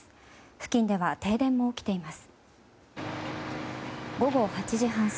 付近では停電も起きています。